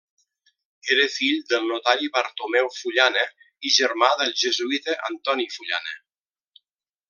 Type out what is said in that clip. Era fill del notari Bartomeu Fullana i germà del jesuïta Antoni Fullana.